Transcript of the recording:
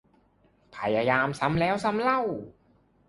พยายามซ้ำแล้วซ้ำเล่า